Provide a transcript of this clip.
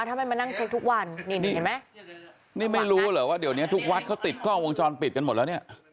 ทำไมมานั่งเช็คทุกวันนี่นี่เห็นไหมนี่ไม่รู้เหรอว่าเดี๋ยวนี้ทุกวัดเขาติดกล้องวงจรปิดกันหมดแล้วเนี่ย